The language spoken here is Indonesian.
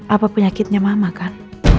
apa penyakitnya mama kan